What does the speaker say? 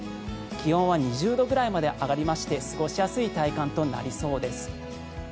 気温は２０度ぐらいまで上がりまして過ごしやすい体感となりそうです。